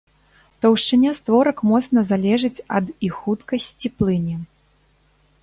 Таўшчыня створак моцна залежыць ад і хуткасці плыні.